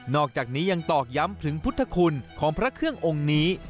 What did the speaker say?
อกจากนี้ยังตอกย้ำถึงพุทธคุณของพระเครื่ององค์นี้